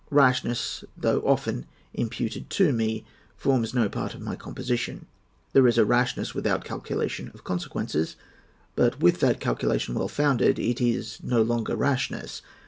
Rashness, though often imputed to me, forms no part of my composition. There is a rashness without calculation of consequences; but with that calculation well founded, it is no longer rashness.